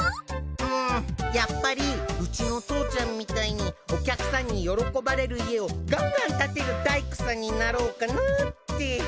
うんやっぱりうちの父ちゃんみたいにお客さんに喜ばれる家をガンガン建てる大工さんになろうかなって。